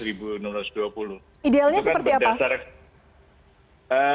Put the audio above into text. idealnya seperti apa